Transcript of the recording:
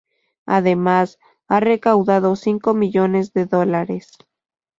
Además, ha recaudado cinco millones de dólares.